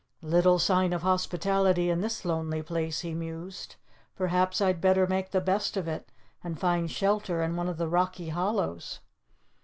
"Little sign of hospitality in this lonely place," he mused. "Perhaps I'd better make the best of it, and find shelter in one of the rocky hollows."